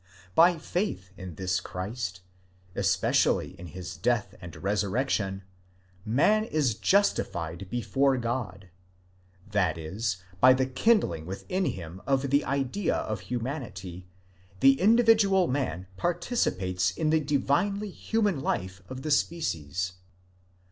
By faith in this Christ, especially in his death and resurrection, man is justified before God; that is, by the kindling within him of the idea of Humanity, the individual man participates in the divinely human life of the species.